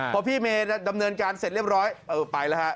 พอพี่เมย์ดำเนินการเสร็จเรียบร้อยเออไปแล้วฮะ